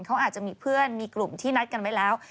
เขาอาจจะมีเพื่อนมีกลุ่มที่นัดกันไว้แล้ว